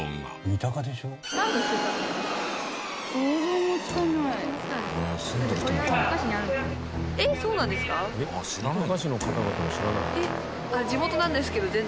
三鷹市の方々も知らない。